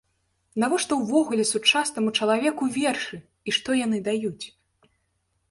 Навошта ўвогуле сучаснаму чалавеку вершы і што яны даюць?